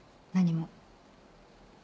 何も。